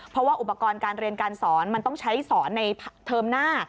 เพราะว่าอุปกรณ์การเรียนการสอนมันต้องใช้สอนในเทอมหน้า